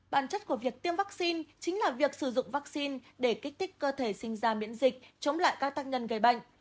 bản chất của việc tiêm vaccine chính là việc sử dụng vaccine để kích thích cơ thể sinh ra miễn dịch chống lại các tác nhân gây bệnh